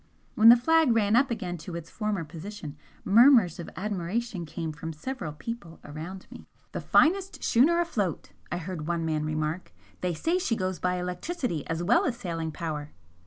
When the flag ran up again to its former position, murmurs of admiration came from several people around me "The finest schooner afloat!" I heard one man remark "They say she goes by electricity as well as sailing power."